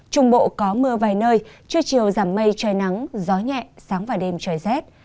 trung bộ có mưa vài nơi trưa chiều giảm mây trời nắng gió nhẹ sáng và đêm trời rét